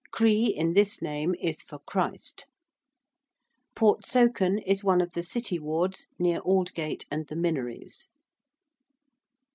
Cree in this name is for Christ. ~Portsoken~ is one of the City wards near Aldgate and the Minories.